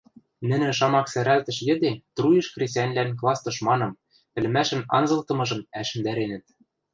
Нӹнӹ шамак сӓрӓлтӹш йӹде труйыш хресӓньлӓн класс тышманым, ӹлӹмӓшӹн анзылтымыжым ӓшӹндӓренӹт.